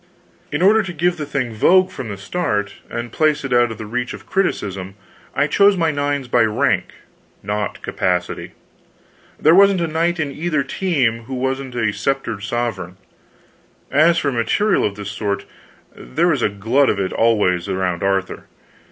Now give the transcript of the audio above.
In order to give the thing vogue from the start, and place it out of the reach of criticism, I chose my nines by rank, not capacity. There wasn't a knight in either team who wasn't a sceptered sovereign. As for material of this sort, there was a glut of it always around Arthur.